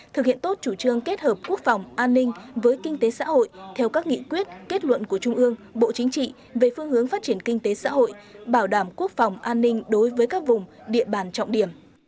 thực hiện tốt chủ trương kết hợp quốc phòng an ninh với kinh tế xã hội theo các nghị quyết kết luận của trung ương bộ chính trị về phương hướng phát triển kinh tế xã hội bảo đảm quốc phòng an ninh đối với các vùng địa bàn trọng điểm